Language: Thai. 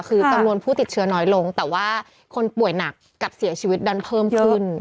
คือจำนวนผู้ติดเชื้อน้อยลงแต่ว่าคนป่วยหนักกับเสียชีวิตดันเพิ่มขึ้น